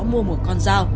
mua một con dao